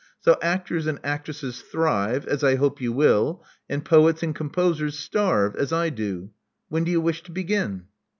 So actors and actresses thrive, as I hope you will ; and poets and composers starve, as I do. When do you wish to begin?"